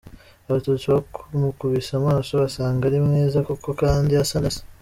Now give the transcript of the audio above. Abatutsi bamukubise amaso basanga ari mwiza koko kandi asa na Se.